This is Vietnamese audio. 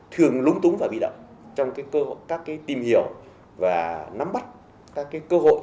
thường lúng túng và bị động trong các cái tìm hiểu và nắm bắt các cái cơ hội